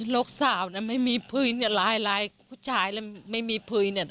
โรคสาวไม่มีพื้นหลายผู้ชายไม่มีพื้น